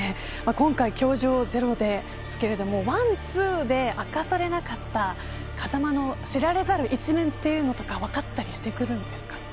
今回、教場０ですけれども１、２で明かされなかった風間の知られざる一面というのとか分かったりしてくるんですか。